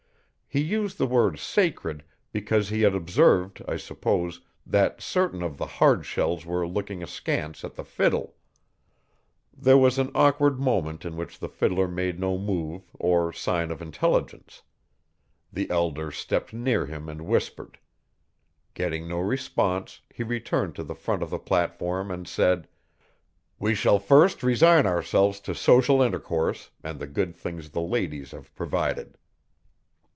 He used the word 'sacred' because he had observed, I suppose, that certain of the 'hardshells' were looking askance at the fiddle. There was an awkward moment in which the fiddler made no move or sign of intelligence. The elder stepped near him and whispered. Getting no response, he returned to the front of the platform and said: 'We shall first resign ourselves to social intercourse and the good things the ladies have provided.'